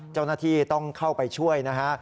เจ้าหน้าที่ต้องเข้าไปช่วยนะฮะ